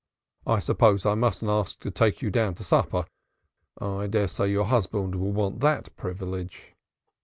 "I suppose I mustn't ask to take you down to supper. I dare say your husband will want that privilege."